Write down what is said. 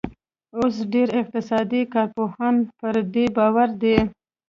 اوس ډېر اقتصادي کارپوهان پر دې باور دي